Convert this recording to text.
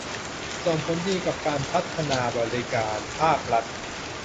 ส่งผลดีทั้งกับการพัฒนาบริการภาครัฐ